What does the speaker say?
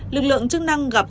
lực lượng chức năng gặp khóa